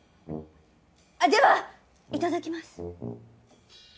ではいただきます。